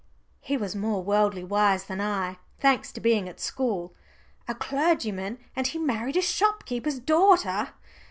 He was more worldly wise than I, thanks to being at school. "A clergyman, and he married a shopkeeper's daughter."